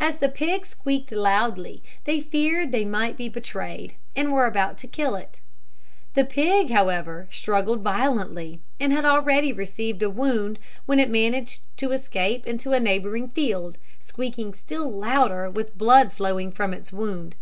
As the pig squeaked loudly, they feared they might be betrayed, and were about to kill it. The pig, however, struggled violently, and had already received a wound, when it managed to escape into a neighbouring field, squeaking still louder, and with the blood flowing from its wound.